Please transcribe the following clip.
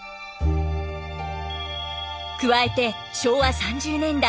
加えて昭和３０年代